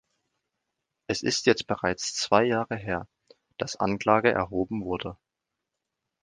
Es ist jetzt bereits zwei Jahre her, dass Anklage erhoben wurde.